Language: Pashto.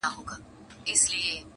هنر خاموش زر پرستي وه پکښې-